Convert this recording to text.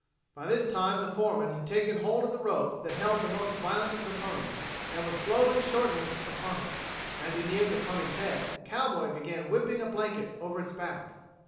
By this time the foreman had taken hold of the rope that held the most violent of the ponies, and was slowly shortening upon it. As he neared the pony's head a cowboy began whipping a blanket over its back.